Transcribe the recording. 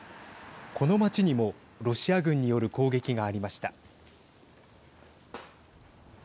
この街にもロシア軍による攻撃がありました。